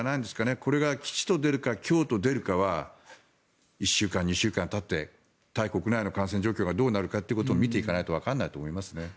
これが吉と出るか凶と出るかは１週間２週間たってタイ国内の感染状況がどうなるかを見ていかないとわからないと思いますね。